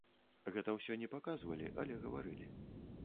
Гэта ўсё не паказвалі, але гаварылі.